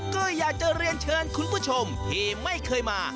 ก็อยากจะเรียนเชิญคุณผู้ชมที่ไม่เคยมา